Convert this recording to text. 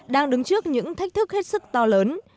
đang đứng trước những thách thức hết sức to lớn